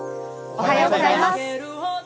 おはようございます。